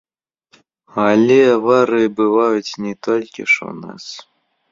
Але аварыі бываюць не толькі ж у нас.